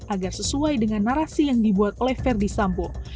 agar sesuai dengan narasi yang dibuat oleh verdi sambo